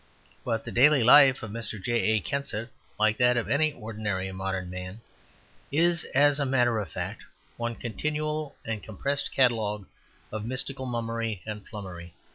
But the daily life of Mr. J. A. Kensit, like that of any ordinary modern man, is, as a matter of fact, one continual and compressed catalogue of mystical mummery and flummery.